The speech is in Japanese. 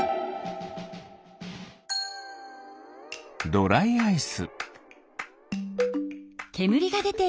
ドライアイス。